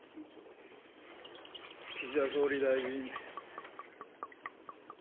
岸田総理大臣。